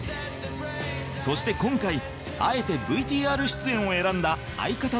そして今回あえて ＶＴＲ 出演を選んだ相方の松田